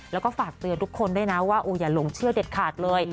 แล้วก็ฝากเตือนทุกคนด้วยนะว่าอย่าหลงเชื่อเด็ดขาดเลย